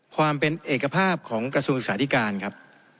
ความเป็นเอกภาพของกระทรวงศึกษาธิการครับ